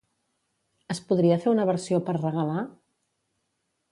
Es podria fer una versió per regalar?